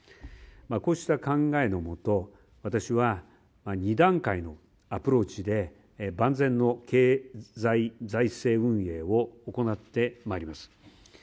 こうした考えのもと、私は２段階のアプローチで、万全の経済財政運営を行ってまいります。